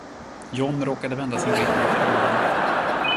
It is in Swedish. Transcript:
John råkade vända sin blick mot verandan.